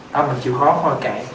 đó mình chịu khó thôi kệ